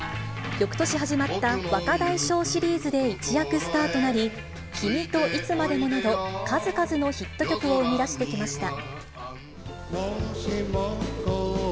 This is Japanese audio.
よくとし始まった若大将シリーズで一躍スターとなり、君といつまでもなど、数々のヒット曲を生み出してきました。